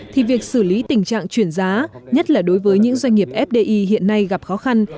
thì việc xử lý tình trạng chuyển giá nhất là đối với những doanh nghiệp fdi hiện nay gặp khó khăn